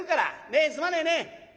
ねえすまねえね。